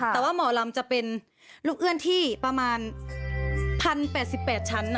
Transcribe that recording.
แต่ว่าหมอลำจะเป็นลูกเอื้อนที่ประมาณ๑๐๘๘ชั้น